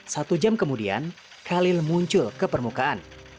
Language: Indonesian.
satu jam kemudian khalil muncul ke permukaan